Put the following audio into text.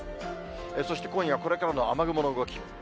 そして今夜これからの雨雲の動き。